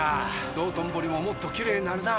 道頓堀ももっときれいになるなぁ。